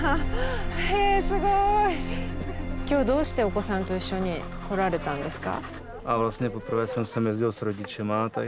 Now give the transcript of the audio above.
今日どうしてお子さんと一緒に来られたんですか？